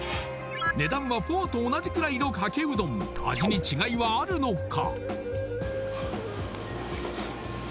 値段はフォーと同じくらいのかけうどん味に違いはあるのか？